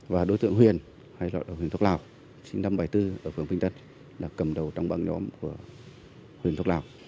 và đối tượng huyền hay là huyền thuốc lào sinh năm một nghìn chín trăm bảy mươi bốn ở phường bình tân là cầm đầu trong băng nhóm của huyền thuốc lào